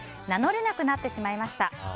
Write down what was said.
名乗れなくなってしまいました。